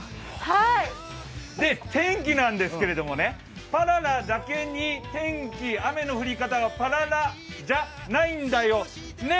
天気なんですけれども、パララだけに天気、雨の降り方がパララじゃないんだよね？